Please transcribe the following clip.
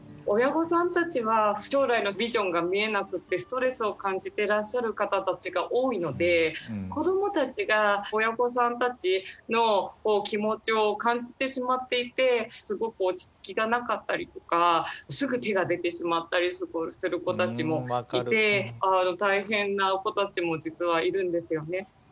親御さんたちは将来のビジョンが見えなくってストレスを感じてらっしゃる方たちが多いので子どもたちが親御さんたちの気持ちを感じてしまっていてすごく落ち着きがなかったりとかすぐ手が出てしまったりする子たちもいて大変な子たちも実はいるんですよね。